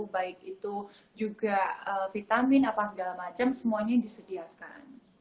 baik itu juga vitamin apa segala macam semuanya disediakan